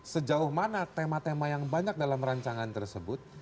sejauh mana tema tema yang banyak dalam rancangan tersebut